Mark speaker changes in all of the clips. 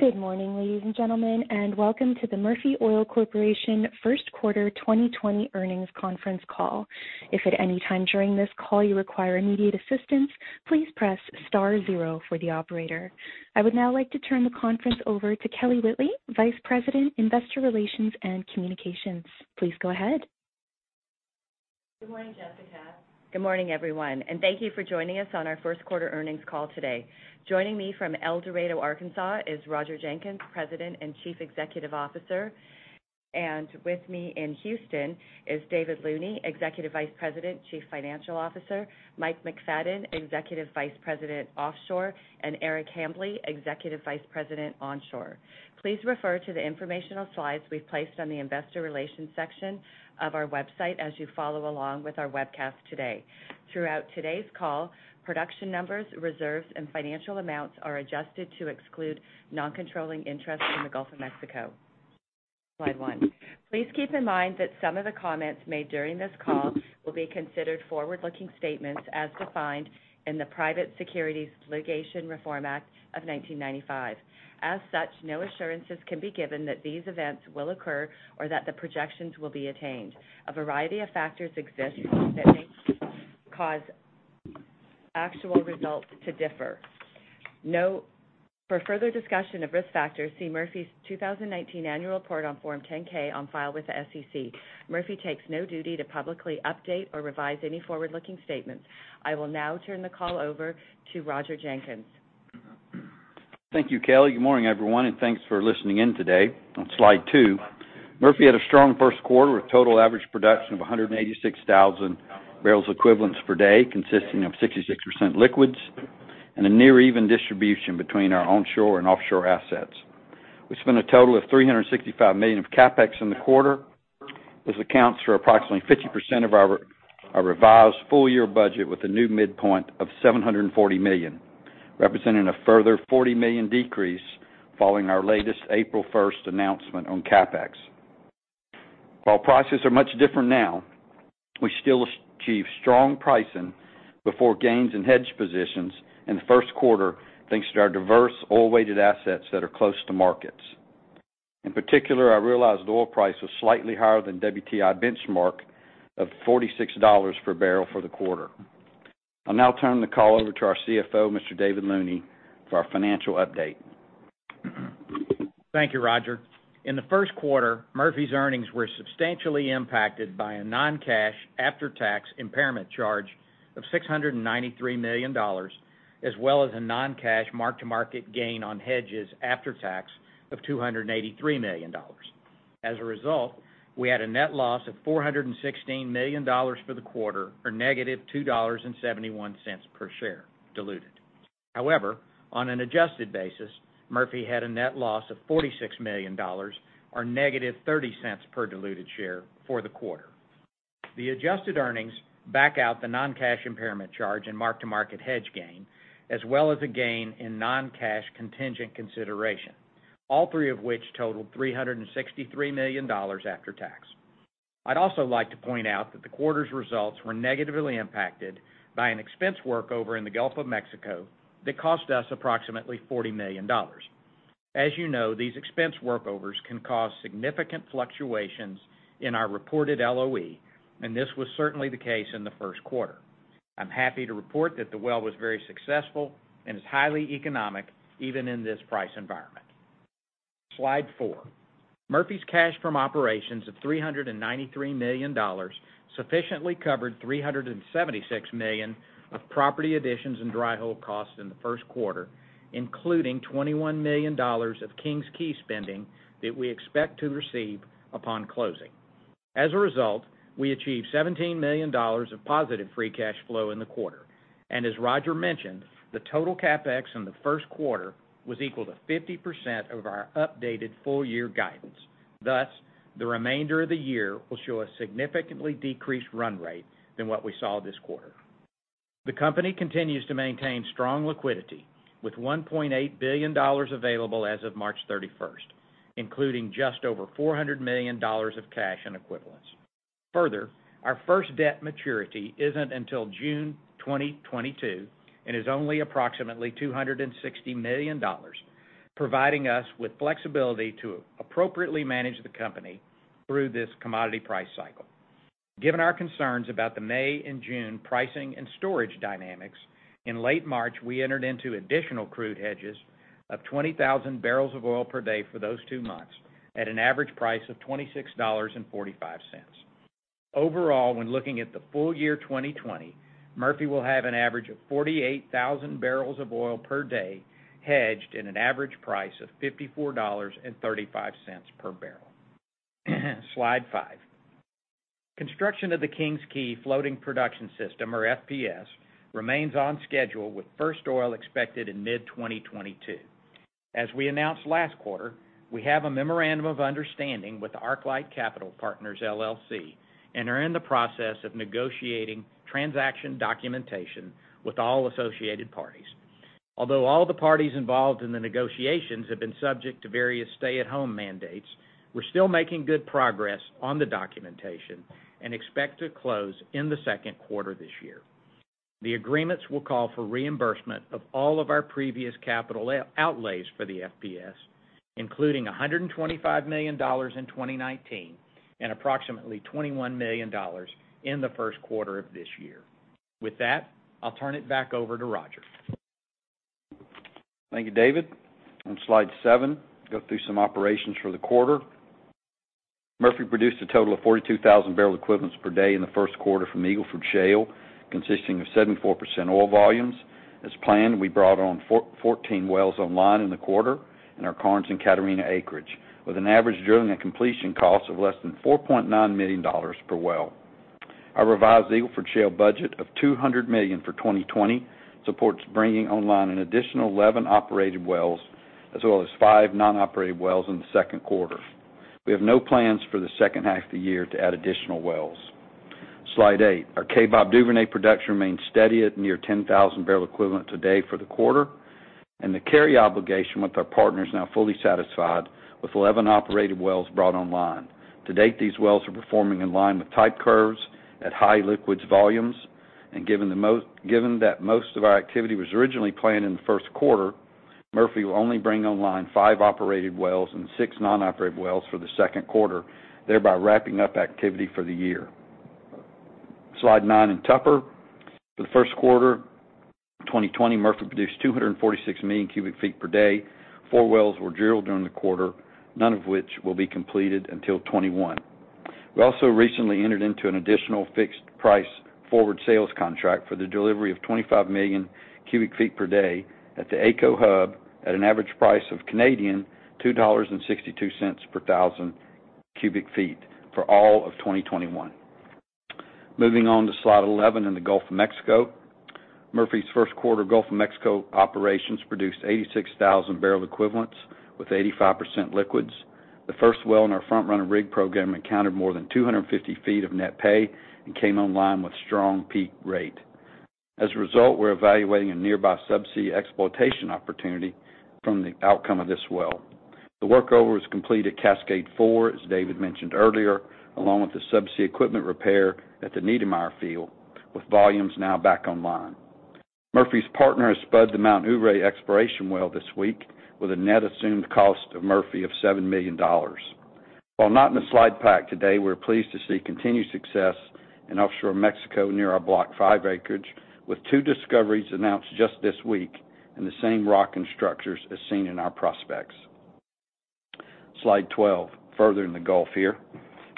Speaker 1: Good morning, ladies and gentlemen, and welcome to the Murphy Oil Corporation first quarter 2020 earnings conference call. If at any time during this call you require immediate assistance, please press star zero for the operator. I would now like to turn the conference over to Kelly Whitley, Vice President, Investor Relations and Communications. Please go ahead.
Speaker 2: Good morning, Jessica. Good morning, everyone, and thank you for joining us on our first quarter earnings call today. Joining me from El Dorado, Arkansas, is Roger Jenkins, President and Chief Executive Officer. With me in Houston is David Looney, Executive Vice President, Chief Financial Officer, Mike McFadyen, Executive Vice President, Offshore, and Eric Hambly, Executive Vice President, Onshore. Please refer to the informational slides we've placed on the investor relations section of our website as you follow along with our webcast today. Throughout today's call, production numbers, reserves, and financial amounts are adjusted to exclude non-controlling interests in the Gulf of Mexico. Slide one. Please keep in mind that some of the comments made during this call will be considered forward-looking statements as defined in the Private Securities Litigation Reform Act of 1995. As such, no assurances can be given that these events will occur or that the projections will be attained. A variety of factors exist that may cause actual results to differ. For further discussion of risk factors, see Murphy's 2019 annual report on Form 10-K on file with the SEC. Murphy takes no duty to publicly update or revise any forward-looking statements. I will now turn the call over to Roger Jenkins.
Speaker 3: Thank you, Kelly. Good morning, everyone, and thanks for listening in today. On slide two, Murphy had a strong first quarter with total average production of 186,000 bbl equivalents per day, consisting of 66% liquids and a near even distribution between our onshore and offshore assets. We spent a total of $365 million of CapEx in the quarter. This accounts for approximately 50% of our revised full-year budget with a new midpoint of $740 million, representing a further $40 million decrease following our latest April 1st announcement on CapEx. While prices are much different now, we still achieved strong pricing before gains in hedge positions in the first quarter, thanks to our diverse oil-weighted assets that are close to markets. In particular, our realized oil price was slightly higher than WTI benchmark of $46 per barrel for the quarter. I'll now turn the call over to our CFO, Mr. David Looney, for our financial update.
Speaker 4: Thank you, Roger. In the first quarter, Murphy's earnings were substantially impacted by a non-cash after-tax impairment charge of $693 million, as well as a non-cash mark-to-market gain on hedges after tax of $283 million. We had a net loss of $416 million for the quarter, or -$2.71 per share diluted. On an adjusted basis, Murphy had a net loss of $46 million or -$0.30 per diluted share for the quarter. The adjusted earnings back out the non-cash impairment charge in market-to-market hedge gain, as well as a gain in non-cash contingent consideration, all three of which totaled $363 million after tax. I'd also like to point out that the quarter's results were negatively impacted by an expense workover in the Gulf of Mexico that cost us approximately $40 million. As you know, these expense workovers can cause significant fluctuations in our reported LOE, and this was certainly the case in the first quarter. I'm happy to report that the well was very successful and is highly economic even in this price environment. Slide four. Murphy's cash from operations of $393 million sufficiently covered $376 million of property additions and dry hole costs in the first quarter, including $21 million of King's Quay spending that we expect to receive upon closing. As a result, we achieved $17 million of positive free cash flow in the quarter. As Roger mentioned, the total CapEx in the first quarter was equal to 50% of our updated full-year guidance. Thus, the remainder of the year will show a significantly decreased run rate than what we saw this quarter. The company continues to maintain strong liquidity, with $1.8 billion available as of March 31st, including just over $400 million of cash and equivalents. Our first debt maturity isn't until June 2022 and is only approximately $260 million, providing us with flexibility to appropriately manage the company through this commodity price cycle. Given our concerns about the May and June pricing and storage dynamics, in late March, we entered into additional crude hedges of 20,000 bbl of oil per day for those two months at an average price of $26.45. When looking at the full year 2020, Murphy will have an average of 48,000 bbl of oil per day hedged at an average price of $54.35 per barrel. Slide five. Construction of the King's Quay floating production system, or FPS, remains on schedule, with first oil expected in mid-2022. As we announced last quarter, we have a memorandum of understanding with ArcLight Capital Partners LLC and are in the process of negotiating transaction documentation with all associated parties. Although all the parties involved in the negotiations have been subject to various stay-at-home mandates, we're still making good progress on the documentation and expect to close in the second quarter this year. The agreements will call for reimbursement of all of our previous capital outlays for the FPS, including $125 million in 2019 and approximately $21 million in the first quarter of this year. With that, I'll turn it back over to Roger.
Speaker 3: Thank you, David. On slide seven, go through some operations for the quarter. Murphy produced a total of 42,000 bbl equivalents per day in the first quarter from Eagle Ford Shale, consisting of 74% oil volumes. As planned, we brought on 14 wells online in the quarter in our Karnes and Catarina acreage, with an average drilling and completion cost of less than $4.9 million per well. Our revised Eagle Ford Shale budget of $200 million for 2020 supports bringing online an additional 11 operated wells, as well as five non-operated wells in the second quarter. We have no plans for the second half of the year to add additional wells. Slide eight. Our Kaybob Duvernay production remains steady at near 10,000 bbl equivalent to date for the quarter. The carry obligation with our partners now fully satisfied with 11 operated wells brought online. To date, these wells are performing in line with type curves at high liquids volumes. Given that most of our activity was originally planned in the first quarter, Murphy will only bring online five operated wells and six non-operated wells for the second quarter, thereby wrapping up activity for the year. Slide nine in Tupper. For the first quarter 2020, Murphy produced 246 million cu ft per day. Four wells were drilled during the quarter, none of which will be completed until 2021. We also recently entered into an additional fixed price forward sales contract for the delivery of 25 million cu ft per day at the AECO hub at an average price of 2.62 Canadian dollars per thousand cu ft for all of 2021. Moving on to slide 11 in the Gulf of Mexico. Murphy's first quarter Gulf of Mexico operations produced 86,000 bbl equivalents with 85% liquids. The first well in our Front Runner rig program encountered more than 250 ft of net pay and came online with strong peak rate. As a result, we're evaluating a nearby subsea exploitation opportunity from the outcome of this well. The workover was completed Cascade 4, as David mentioned earlier, along with the subsea equipment repair at the Niedermeyer field, with volumes now back online. Murphy's partner has spud the Mt. Ouray exploration well this week with a net assumed cost of Murphy of $7 million. While not in the slide pack today, we're pleased to see continued success in offshore Mexico near our Block 5 acreage, with two discoveries announced just this week in the same rock and structures as seen in our prospects. Slide 12. Further in the Gulf here.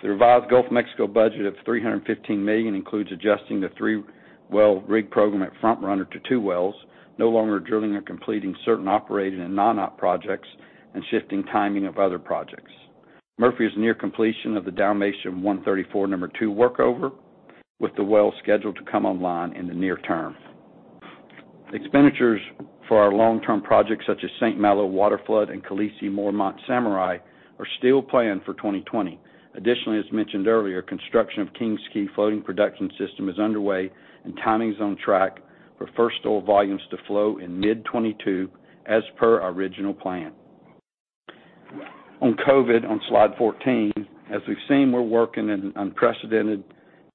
Speaker 3: The revised Gulf of Mexico budget of $315 million includes adjusting the three-well rig program at Front Runner to two wells, no longer drilling or completing certain operated and non-op projects, and shifting timing of other projects. Murphy is near completion of the Dalmatian 134 number two workover, with the well scheduled to come online in the near term. Expenditures for our long-term projects such as St. Malo Waterflood and Khaleesi/Mormont/Samurai are still planned for 2020. Additionally, as mentioned earlier, construction of King's Quay floating production system is underway and timing's on track for first oil volumes to flow in mid 2022, as per our original plan. On COVID, on slide 14, as we've seen, we're working in an unprecedented,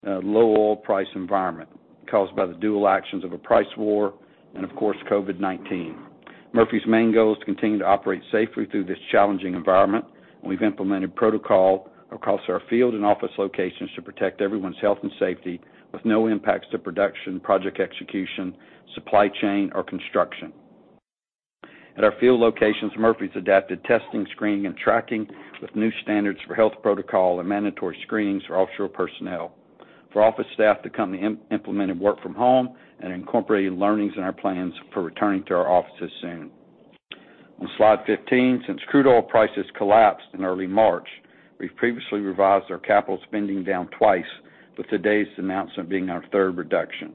Speaker 3: low oil price environment caused by the dual actions of a price war and, of course, COVID-19. Murphy's main goal is to continue to operate safely through this challenging environment. We've implemented protocol across our field and office locations to protect everyone's health and safety with no impacts to production, project execution, supply chain, or construction. At our field locations, Murphy's adapted testing, screening, and tracking with new standards for health protocol and mandatory screenings for offshore personnel. For office staff to come, they implemented work from home and incorporated learnings in our plans for returning to our offices soon. On slide 15, since crude oil prices collapsed in early March, we've previously revised our capital spending down twice, with today's announcement being our third reduction.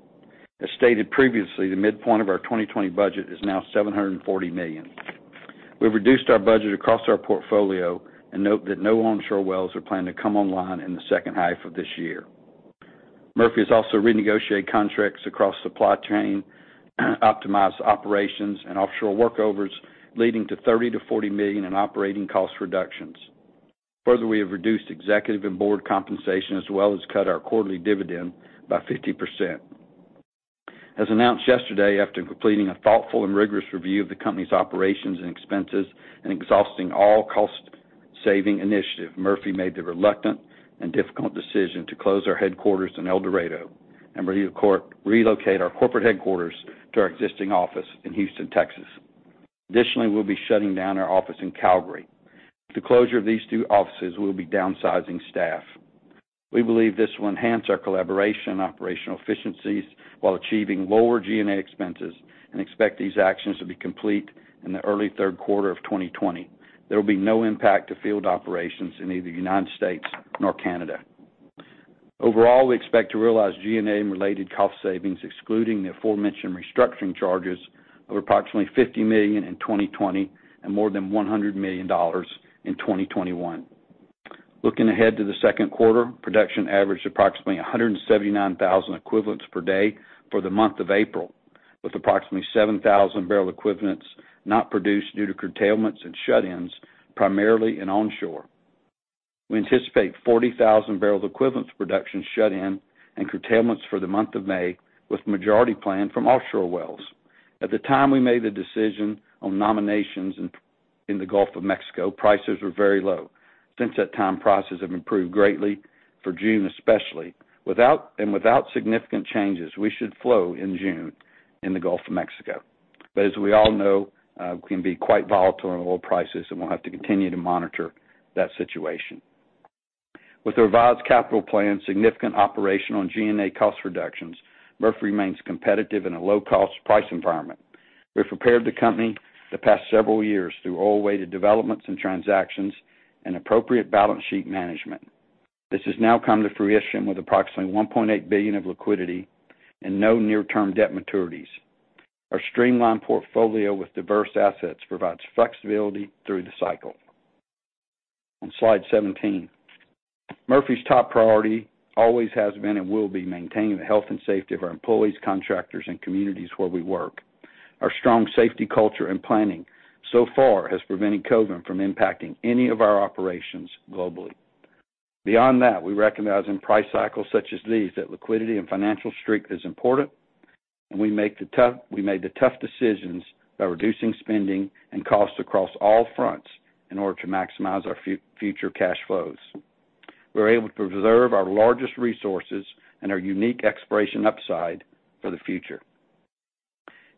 Speaker 3: As stated previously, the midpoint of our 2020 budget is now $740 million. We've reduced our budget across our portfolio and note that no onshore wells are planned to come online in the second half of this year. Murphy has also renegotiated contracts across supply chain, optimized operations and offshore workovers, leading to $30 million-$40 million in operating cost reductions. We have reduced executive and board compensation, as well as cut our quarterly dividend by 50%. As announced yesterday, after completing a thoughtful and rigorous review of the company's operations and expenses and exhausting all cost-saving initiative, Murphy made the reluctant and difficult decision to close our headquarters in El Dorado and relocate our corporate headquarters to our existing office in Houston, Texas. We'll be shutting down our office in Calgary. With the closure of these two offices, we'll be downsizing staff. We believe this will enhance our collaboration and operational efficiencies while achieving lower G&A expenses and expect these actions to be complete in the early third quarter of 2020. There will be no impact to field operations in either U.S. nor Canada. Overall, we expect to realize G&A and related cost savings, excluding the aforementioned restructuring charges, of approximately $50 million in 2020 and more than $100 million in 2021. Looking ahead to the second quarter, production averaged approximately 179,000 equivalents per day for the month of April, with approximately 7,000 bbl equivalents not produced due to curtailments and shut-ins, primarily in onshore. We anticipate 40,000 bbl equivalent production shut-in and curtailments for the month of May, with majority planned from offshore wells. At the time we made the decision on nominations in the Gulf of Mexico, prices were very low. Since that time, prices have improved greatly for June, especially. Without significant changes, we should flow in June in the Gulf of Mexico. As we all know, it can be quite volatile on oil prices, and we'll have to continue to monitor that situation. With our revised capital plan, significant operational and G&A cost reductions, Murphy remains competitive in a low-cost price environment. We've prepared the company the past several years through oil-weighted developments and transactions and appropriate balance sheet management. This has now come to fruition with approximately $1.8 billion of liquidity and no near-term debt maturities. Our streamlined portfolio with diverse assets provides flexibility through the cycle. On slide 17. Murphy's top priority always has been and will be maintaining the health and safety of our employees, contractors, and communities where we work. Our strong safety culture and planning so far has prevented COVID from impacting any of our operations globally. Beyond that, we recognize in price cycles such as these that liquidity and financial strength is important, and we made the tough decisions by reducing spending and costs across all fronts in order to maximize our future cash flows. We were able to preserve our largest resources and our unique exploration upside for the future.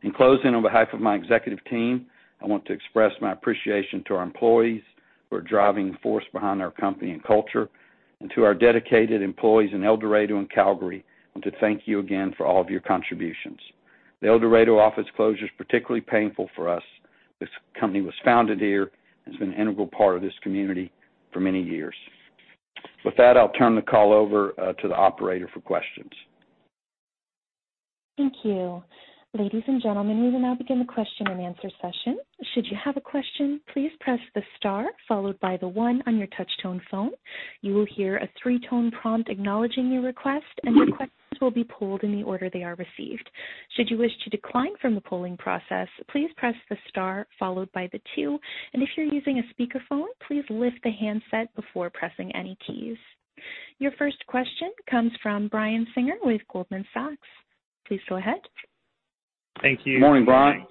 Speaker 3: In closing, on behalf of my executive team, I want to express my appreciation to our employees who are driving the force behind our company and culture, and to our dedicated employees in El Dorado and Calgary, I want to thank you again for all of your contributions. The El Dorado office closure is particularly painful for us. This company was founded here and has been an integral part of this community for many years. With that, I'll turn the call over to the operator for questions.
Speaker 1: Thank you. Ladies and gentlemen, we will now begin the Q&A session. Should you have a question, please press the star followed by the one on your touch-tone phone. You will hear a three-tone prompt acknowledging your request, and your questions will be pooled in the order they are received. Should you wish to decline from the polling process, please press the star followed by the two, and if you're using a speakerphone, please lift the handset before pressing any keys. Your first question comes from Brian Singer with Goldman Sachs. Please go ahead.
Speaker 3: Morning, Brian.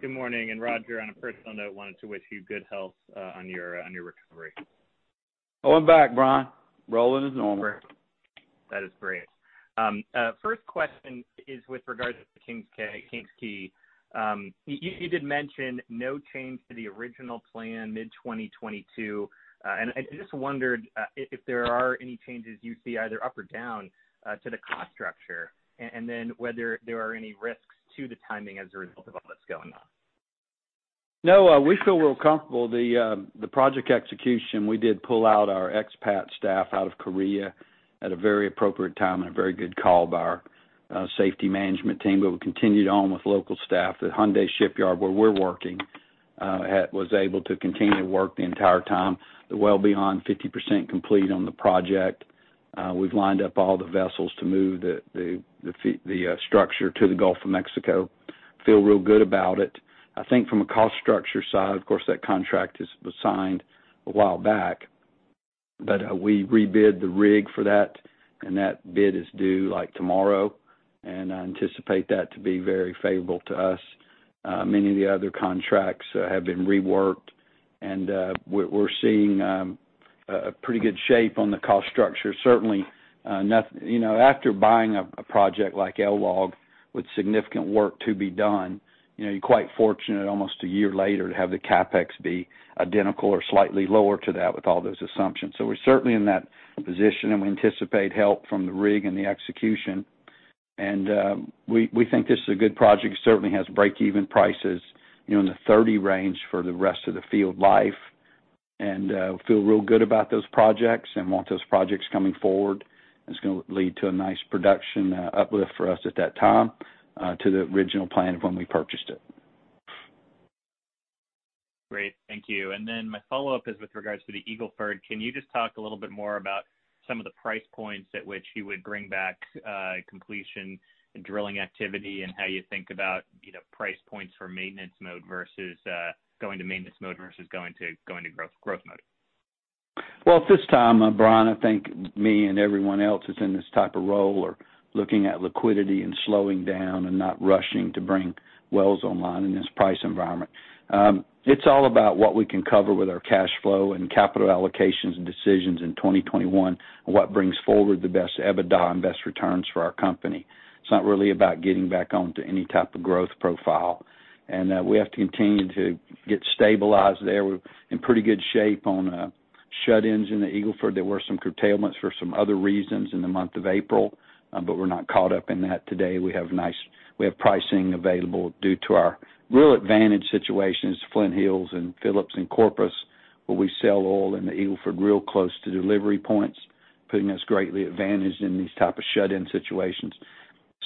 Speaker 5: Good morning. Roger, on a personal note, wanted to wish you good health on your recovery.
Speaker 3: Oh, I'm back, Brian. Rolling as normal.
Speaker 5: That is great. First question is with regards to King's Quay. You did mention no change to the original plan mid-2022. I just wondered if there are any changes you see either up or down to the cost structure, and then whether there are any risks to the timing as a result of all that's going on.
Speaker 3: No, we feel real comfortable. The project execution, we did pull out our expat staff out of Korea at a very appropriate time and a very good call by our safety management team, but we continued on with local staff. The Hyundai Shipyard where we're working was able to continue to work the entire time. They're well beyond 50% complete on the project. We've lined up all the vessels to move the structure to the Gulf of Mexico. Feel real good about it. I think from a cost structure side, of course, that contract was signed a while back. We rebid the rig for that bid is due tomorrow, I anticipate that to be very favorable to us. Many of the other contracts have been reworked, and we're seeing a pretty good shape on the cost structure. Certainly, after buying a project like LLOG with significant work to be done, you're quite fortunate almost a year later to have the CapEx be identical or slightly lower to that with all those assumptions. We're certainly in that position, and we anticipate help from the rig and the execution. We think this is a good project. It certainly has break-even prices in the 30 range for the rest of the field life. We feel real good about those projects and want those projects coming forward. It's going to lead to a nice production uplift for us at that time to the original plan of when we purchased it.
Speaker 5: Great. Thank you. My follow-up is with regards to the Eagle Ford. Can you just talk a little bit more about some of the price points at which you would bring back completion and drilling activity, and how you think about price points for maintenance mode versus going to growth mode?
Speaker 3: Well, at this time, Brian, I think me and everyone else that's in this type of role are looking at liquidity and slowing down and not rushing to bring wells online in this price environment. It's all about what we can cover with our cash flow and capital allocations and decisions in 2021, and what brings forward the best EBITDA and best returns for our company. It's not really about getting back onto any type of growth profile. We have to continue to get stabilized there. We're in pretty good shape on shut-ins in the Eagle Ford. There were some curtailments for some other reasons in the month of April, but we're not caught up in that today. We have pricing available due to our real advantage situations, Flint Hills and Phillips in Corpus, where we sell oil in the Eagle Ford real close to delivery points, putting us greatly advantaged in these type of shut-in situations.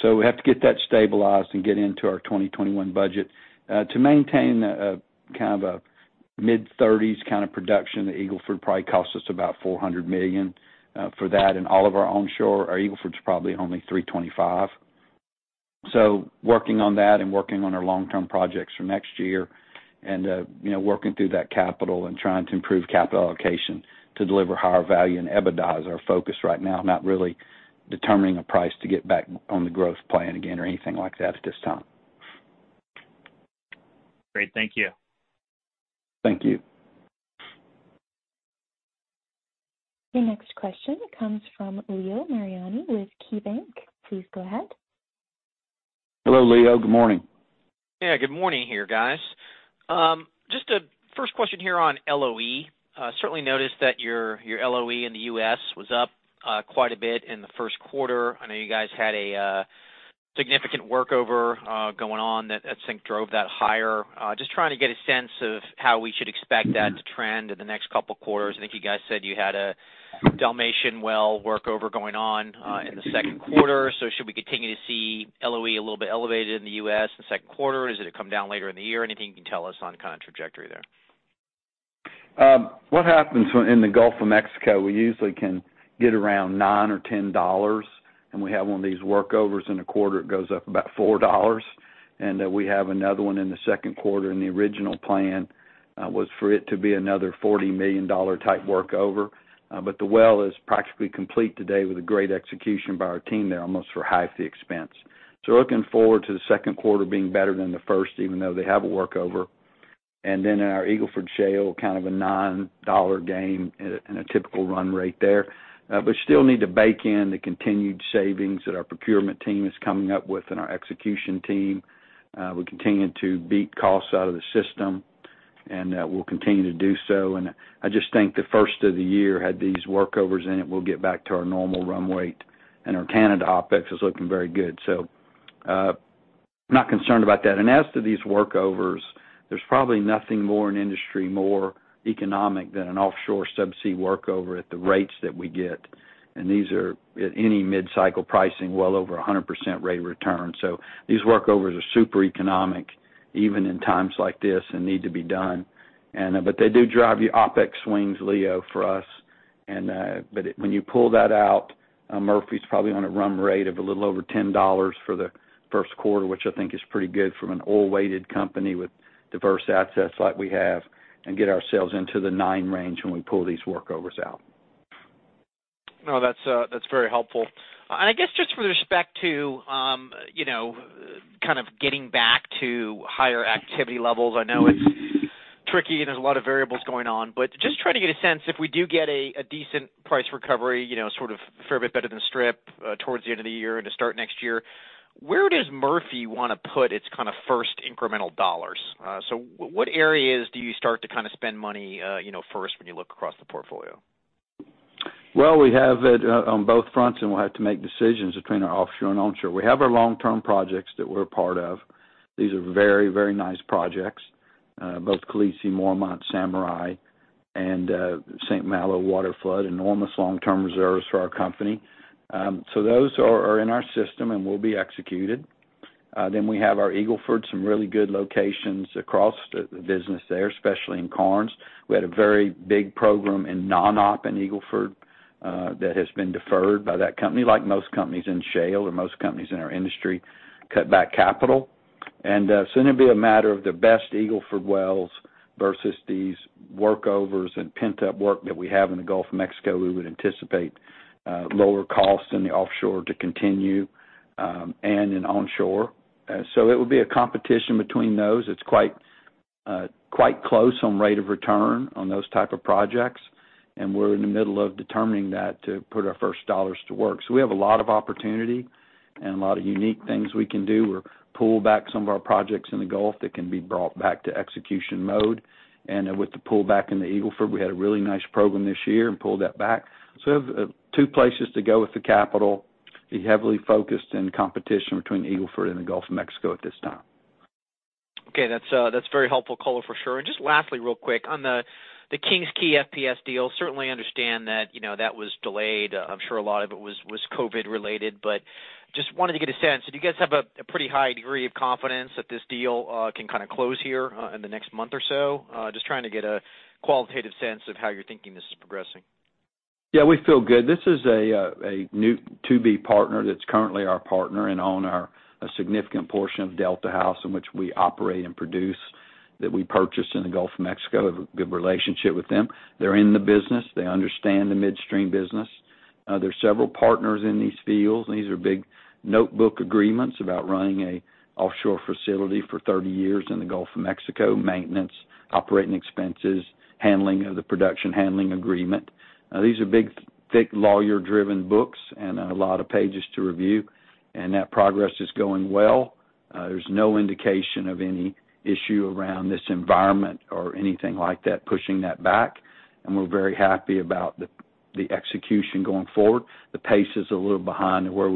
Speaker 3: We have to get that stabilized and get into our 2021 budget. To maintain a mid-30s production, the Eagle Ford probably costs us about $400 million for that and all of our onshore. Our Eagle Ford is probably only $325. Working on that and working on our long-term projects for next year and working through that capital and trying to improve capital allocation to deliver higher value and EBITDA is our focus right now, not really determining a price to get back on the growth plan again or anything like that at this time.
Speaker 5: Great. Thank you.
Speaker 3: Thank you.
Speaker 1: Your next question comes from Leo Mariani with KeyBanc. Please go ahead.
Speaker 3: Hello, Leo. Good morning.
Speaker 6: Yeah. Good morning here, guys. Just a first question here on LOE. Certainly noticed that your LOE in the U.S. was up quite a bit in the first quarter. I know you guys had a significant workover going on that I think drove that higher. Just trying to get a sense of how we should expect that to trend in the next couple of quarters. I think you guys said you had a Dalmatian well workover going on in the second quarter. Should we continue to see LOE a little bit elevated in the U.S. in the second quarter? Is it going to come down later in the year? Anything you can tell us on trajectory there?
Speaker 3: What happens in the Gulf of Mexico, we usually can get around $9 or $10, and we have one of these workovers in a quarter, it goes up about $4. We have another one in the second quarter, and the original plan was for it to be another $40 million type workover. The well is practically complete today with a great execution by our team there, almost for half the expense. We're looking forward to the second quarter being better than the first, even though they have a workover. In our Eagle Ford Shale, kind of a $9 game in a typical run rate there. Still need to bake in the continued savings that our procurement team is coming up with and our execution team. We're continuing to beat costs out of the system, and we'll continue to do so. I just think the first of the year had these workovers in it. We'll get back to our normal run rate. Our Canada OpEx is looking very good. I'm not concerned about that. As to these workovers, there's probably nothing more in industry, more economic than an offshore subsea workover at the rates that we get. These are at any mid-cycle pricing, well over 100% rate of return. These workovers are super economic even in times like this and need to be done. They do drive the OpEx swings, Leo, for us. When you pull that out, Murphy's probably on a run rate of a little over $10 for the first quarter, which I think is pretty good from an oil-weighted company with diverse assets like we have, and get ourselves into the nine range when we pull these workovers out.
Speaker 6: No, that's very helpful. I guess just with respect to getting back to higher activity levels, I know it's tricky and there's a lot of variables going on, but just trying to get a sense, if we do get a decent price recovery, sort of a fair bit better than strip towards the end of the year into start next year, where does Murphy want to put its first incremental dollars? What areas do you start to spend money first when you look across the portfolio?
Speaker 3: Well, we have it on both fronts, and we'll have to make decisions between our offshore and onshore. We have our long-term projects that we're a part of. These are very nice projects. Both Khaleesi, Mormont, Samurai, and St. Malo, Waterflood, enormous long-term reserves for our company. Those are in our system and will be executed. We have our Eagle Ford, some really good locations across the business there, especially in Karnes. We had a very big program in non-op in Eagle Ford that has been deferred by that company, like most companies in shale or most companies in our industry cut back capital. It'll be a matter of the best Eagle Ford wells versus these workovers and pent-up work that we have in the Gulf of Mexico. We would anticipate lower costs in the offshore to continue and in onshore. It would be a competition between those. It's quite close on rate of return on those type of projects, and we're in the middle of determining that to put our first dollars to work. We have a lot of opportunity and a lot of unique things we can do. We pulled back some of our projects in the Gulf that can be brought back to execution mode. With the pullback in the Eagle Ford, we had a really nice program this year and pulled that back. We have two places to go with the capital, be heavily focused in competition between Eagle Ford and the Gulf of Mexico at this time.
Speaker 6: Okay. That's very helpful color for sure. Just lastly, real quick, on the King's Quay FPS deal, certainly understand that was delayed. I'm sure a lot of it was COVID related, but just wanted to get a sense. Do you guys have a pretty high degree of confidence that this deal can close here in the next month or so? Just trying to get a qualitative sense of how you're thinking this is progressing?
Speaker 3: Yeah, we feel good. This is a new to-be partner that's currently our partner and own our significant portion of Delta House in which we operate and produce, that we purchased in the Gulf of Mexico. Have a good relationship with them. They're in the business. They understand the midstream business. There's several partners in these fields, and these are big notebook agreements about running a offshore facility for 30 years in the Gulf of Mexico, maintenance, operating expenses, handling of the production handling agreement. These are big, thick, lawyer-driven books and a lot of pages to review, and that progress is going well. There's no indication of any issue around this environment or anything like that pushing that back, and we're very happy about the execution going forward. The pace is a little behind where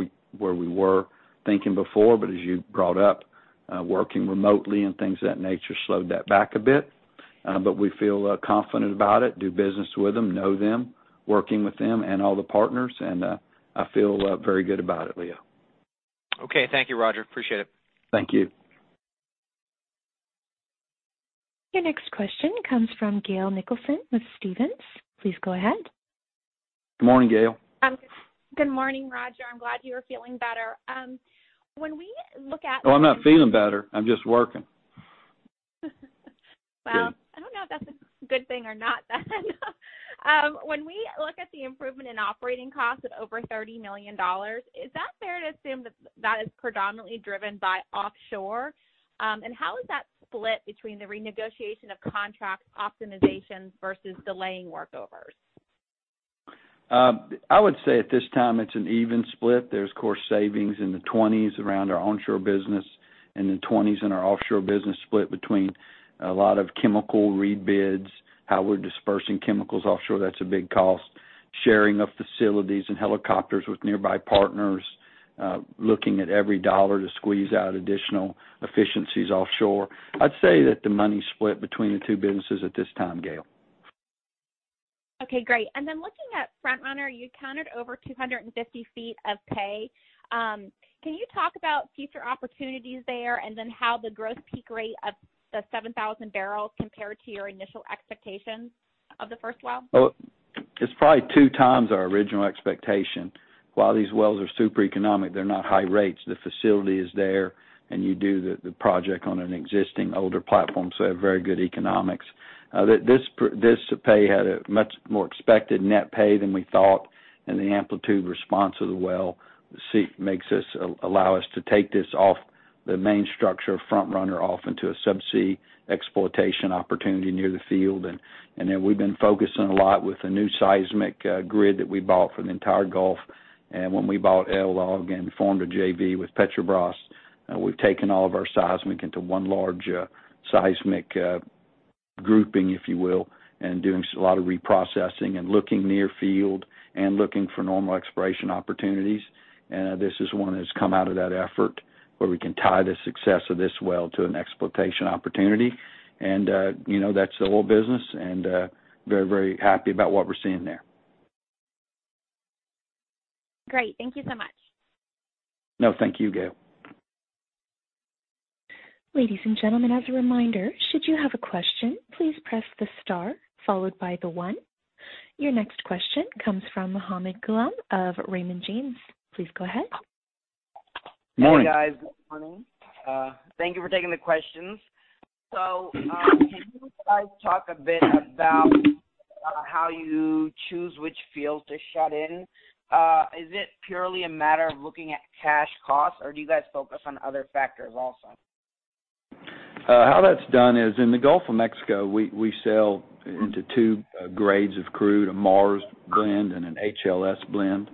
Speaker 3: we were thinking before, but as you brought up, working remotely and things of that nature slowed that back a bit. We feel confident about it, do business with them, know them, working with them and all the partners, and I feel very good about it, Leo.
Speaker 6: Okay. Thank you, Roger. Appreciate it.
Speaker 3: Thank you.
Speaker 1: Your next question comes from Gail Nicholson with Stephens. Please go ahead.
Speaker 3: Good morning, Gail.
Speaker 7: Good morning, Roger. I'm glad you are feeling better.
Speaker 3: Oh, I'm not feeling better. I'm just working.
Speaker 7: Well, I don't know if that's a good thing or not then. When we look at the improvement in operating costs of over $30 million, is that fair to assume that is predominantly driven by offshore? How is that split between the renegotiation of contracts optimizations versus delaying workovers?
Speaker 3: I would say at this time it's an even split. There's core savings in the 20s around our onshore business and the 20s in our offshore business, split between a lot of chemical rebids, how we're dispersing chemicals offshore, that's a big cost. Sharing of facilities and helicopters with nearby partners, looking at every dollar to squeeze out additional efficiencies offshore. I'd say that the money's split between the two businesses at this time, Gail.
Speaker 7: Okay, great. Looking at Front Runner, you counted over 250 ft of pay. Can you talk about future opportunities there, and then how the gross peak rate of the 7,000 bbl compare to your initial expectations of the first well?
Speaker 3: Oh, it's probably two times our original expectation. While these wells are super economic, they're not high rates. The facility is there, and you do the project on an existing older platform, so they have very good economics. This pay had a much more expected net pay than we thought, and the amplitude response of the well allow us to take this off the main structure of Front Runner off into a subsea exploitation opportunity near the field. Then we've been focusing a lot with the new seismic grid that we bought for the entire Gulf. When we bought LLOG and formed a JV with Petrobras, we've taken all of our seismic into one large seismic grouping, if you will, and doing a lot of reprocessing and looking near field, and looking for normal exploration opportunities. This is one that's come out of that effort, where we can tie the success of this well to an exploitation opportunity. That's the oil business, and very happy about what we're seeing there.
Speaker 7: Great. Thank you so much.
Speaker 3: No, thank you, Gail.
Speaker 1: Ladies and gentlemen, as a reminder, should you have a question, please press the star followed by the one. Your next question comes from Muhammed Ghulam of Raymond James. Please go ahead.
Speaker 3: Morning.
Speaker 8: Hey, guys. Good morning. Thank you for taking the questions. Can you guys talk a bit about how you choose which fields to shut in? Is it purely a matter of looking at cash costs, or do you guys focus on other factors also?
Speaker 3: How that's done is, in the Gulf of Mexico, we sell into two grades of crude, a Mars blend and an HLS blend.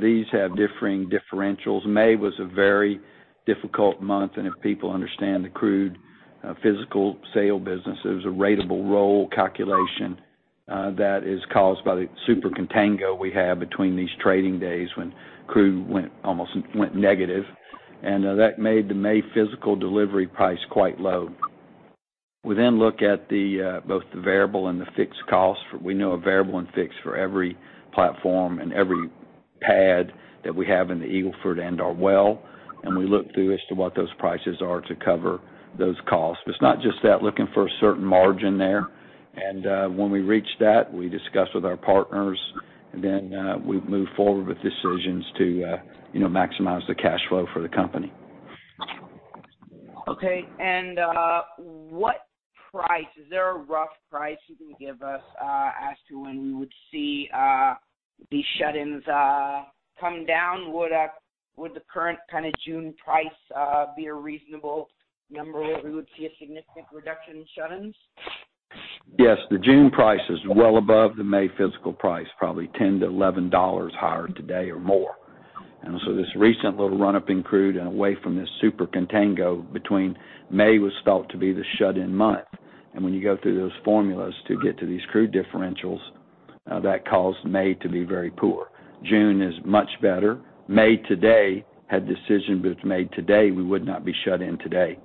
Speaker 3: These have differing differentials. May was a very difficult month, and if people understand the crude physical sale business, there was a ratable roll calculation that is caused by the super contango we have between these trading days when crude almost went negative. That made the May physical delivery price quite low. We look at both the variable and the fixed costs. We know a variable and fixed for every platform and every pad that we have in the Eagle Ford and our well, and we look through as to what those prices are to cover those costs. It's not just that, looking for a certain margin there, and when we reach that, we discuss with our partners, and then we move forward with decisions to maximize the cash flow for the company.
Speaker 8: Okay. What price? Is there a rough price you can give us as to when we would see these shut-ins come down? Would the current June price be a reasonable number where we would see a significant reduction in shut-ins?
Speaker 3: Yes. The June price is well above the May physical price, probably $10-$11 higher today or more. This recent little run-up in crude and away from this super contango between May was thought to be the shut-in month. When you go through those formulas to get to these crude differentials, that caused May to be very poor. June is much better. May today, had decisions been made today, we would not be shut in today.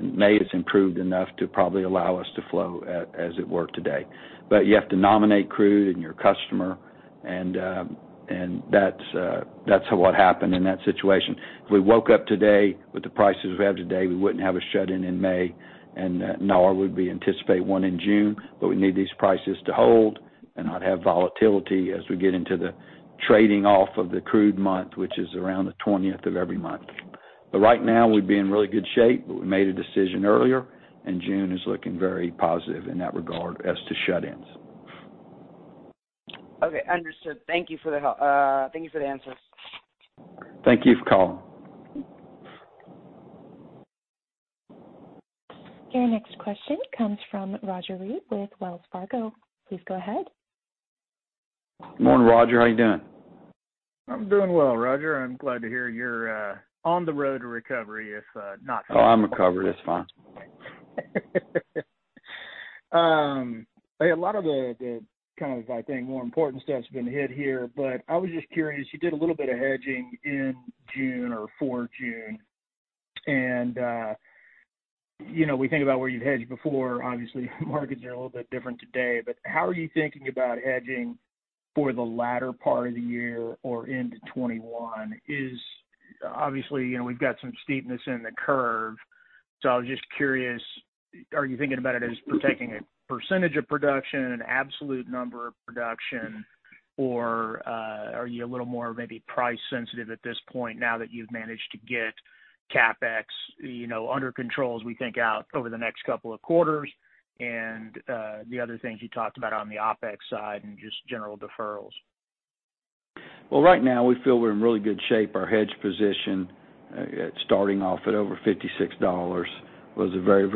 Speaker 3: May has improved enough to probably allow us to flow as it were today. You have to nominate crude and your customer, and that's what happened in that situation. If we woke up today with the prices we have today, we wouldn't have a shut-in in May, nor would we anticipate one in June, but we need these prices to hold and not have volatility as we get into the trading off of the crude month, which is around the 20th of every month. Right now, we'd be in really good shape, but we made a decision earlier, and June is looking very positive in that regard as to shut-ins.
Speaker 8: Okay, understood. Thank you for the answers.
Speaker 3: Thank you for calling.
Speaker 1: Your next question comes from Roger Read with Wells Fargo. Please go ahead.
Speaker 3: Morning, Roger. How you doing?
Speaker 9: I'm doing well, Roger. I'm glad to hear you're on the road to recovery.
Speaker 3: Oh, I'm recovered. It's fine.
Speaker 9: A lot of the, I think more important stuff's been hit here, but I was just curious, you did a little bit of hedging in June or for June, and we think about where you've hedged before, obviously markets are a little bit different today, but how are you thinking about hedging for the latter part of the year or into 2021? Obviously, we've got some steepness in the curve. I was just curious, are you thinking about it as protecting a percentage of production, an absolute number of production, or are you a little more maybe price sensitive at this point now that you've managed to get CapEx under control as we think out over the next couple of quarters, and the other things you talked about on the OpEx side and just general deferrals?
Speaker 3: Well, right now we feel we're in really good shape. Our hedge position, starting off at over $56, was a very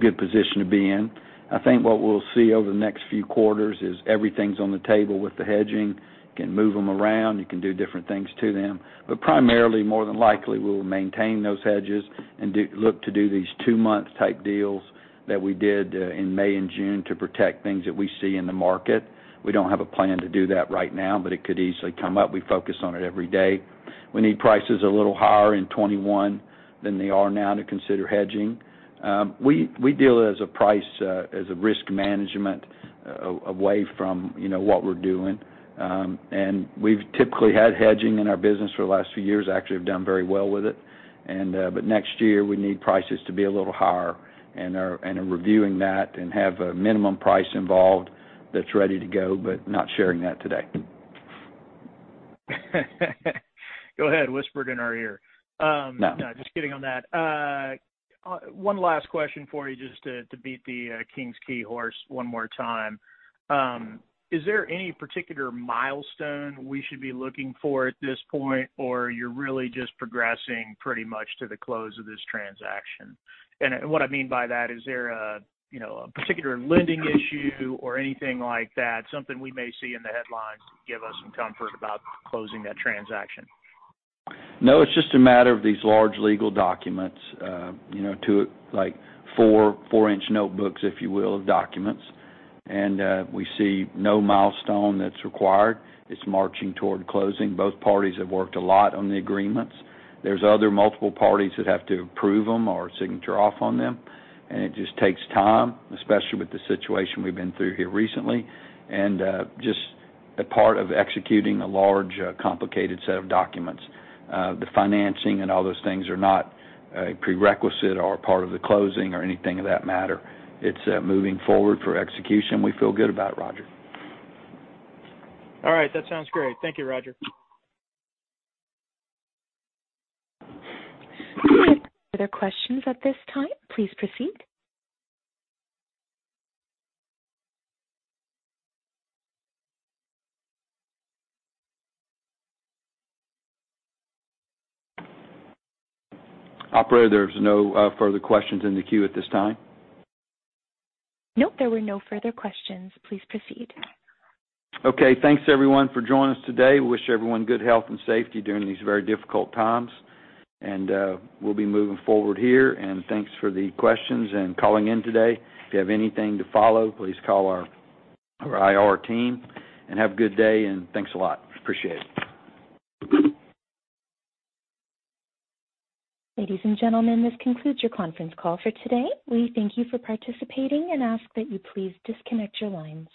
Speaker 3: good position to be in. I think what we'll see over the next few quarters is everything's on the table with the hedging. You can move them around. You can do different things to them. Primarily, more than likely, we'll maintain those hedges and look to do these two-month type deals that we did in May and June to protect things that we see in the market. We don't have a plan to do that right now, it could easily come up. We focus on it every day. We need prices a little higher in 2021 than they are now to consider hedging. We deal as a price, as a risk management away from what we're doing. We've typically had hedging in our business for the last few years, actually have done very well with it. Next year, we need prices to be a little higher and are reviewing that and have a minimum price involved that's ready to go, but not sharing that today.
Speaker 9: Go ahead, whisper it in our ear. No. No, just kidding on that. One last question for you, just to beat the King's Quay horse one more time. Is there any particular milestone we should be looking for at this point, or you're really just progressing pretty much to the close of this transaction? What I mean by that, is there a particular lending issue or anything like that, something we may see in the headlines to give us some comfort about closing that transaction.
Speaker 3: No, it's just a matter of these large legal documents, like four inch notebooks, if you will, of documents. We see no milestone that's required. It's marching toward closing. Both parties have worked a lot on the agreements. There's other multiple parties that have to approve them or sign off on them, it just takes time, especially with the situation we've been through here recently. Just a part of executing a large, complicated set of documents. The financing and all those things are not a prerequisite or a part of the closing or anything of that matter. It's moving forward for execution. We feel good about it, Roger.
Speaker 9: All right. That sounds great. Thank you, Roger.
Speaker 1: Other questions at this time? Please proceed.
Speaker 3: Operator, there's no further questions in the queue at this time.
Speaker 1: Nope, there were no further questions. Please proceed.
Speaker 3: Okay, thanks everyone for joining us today. We wish everyone good health and safety during these very difficult times. We'll be moving forward here, and thanks for the questions and calling in today. If you have anything to follow, please call our IR team, and have a good day, and thanks a lot. Appreciate it.
Speaker 1: Ladies and gentlemen, this concludes your conference call for today. We thank you for participating and ask that you please disconnect your lines.